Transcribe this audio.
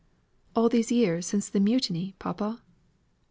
"All these years since the mutiny, papa?"